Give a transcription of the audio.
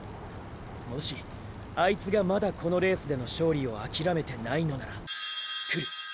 もしあいつがまだこのレースでの勝利を諦めてないのなら来る！